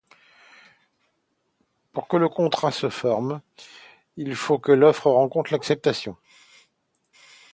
Pour que le contrat se forme, il faut que l'offre rencontre l'acceptation.